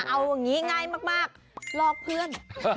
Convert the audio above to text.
เอาอย่างนี้ง่ายมากลอกเพื่อน